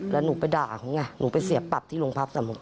แล้วหนูไปด่าเขาอย่างนี้หนูไปเสียปับที่โรงพักษณ์สำหรับผม